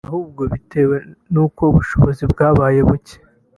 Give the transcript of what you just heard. ahubwo bitewe nuko ubushobozi bwabaye buke